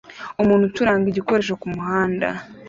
Umuntu ucuranga igikoresho kumuhanda